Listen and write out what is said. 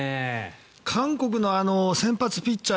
韓国の先発ピッチャー